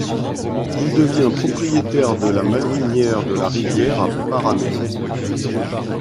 Il devient propriétaire de la Malouinière de la Rivière à Paramé.